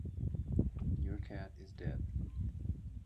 Your Cat Is Dead".